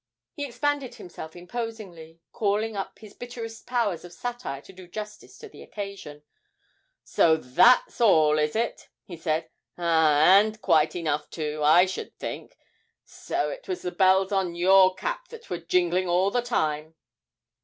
He expanded himself imposingly, calling up his bitterest powers of satire to do justice to the occasion: 'So that's all, is it?' he said; 'ah, and quite enough, too, I should think; so it was the bells on your cap that were jingling all the time?'